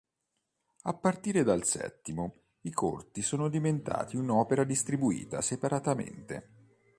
A partire dal settimo, i corti sono diventati un'opera distribuita separatamente.